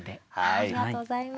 ありがとうございます。